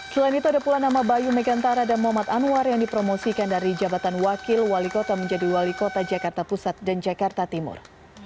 selain itu ada pula nama bayu megantara dan muhammad anwar yang dipromosikan dari jabatan wakil wali kota menjadi wali kota jakarta pusat dan jakarta timur